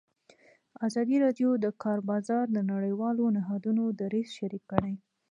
ازادي راډیو د د کار بازار د نړیوالو نهادونو دریځ شریک کړی.